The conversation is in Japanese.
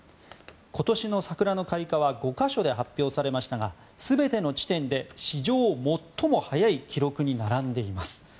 今年の桜の開花は５か所で発表されましたが全ての地点で史上最も早い記録に並んでいます。